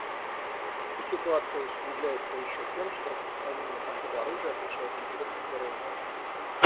И ситуация усугубляется еще тем, что распространение такого оружия отвечает интересам террористов.